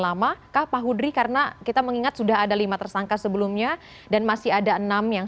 lama kak pak hudri karena kita mengingat sudah ada lima tersangka sebelumnya dan masih ada enam yang